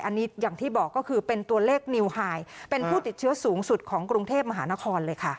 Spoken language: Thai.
อันนี้อย่างที่บอกก็คือเป็นตัวเลขนิวไฮเป็นผู้ติดเชื้อสูงสุดของกรุงเทพมหานครเลยค่ะ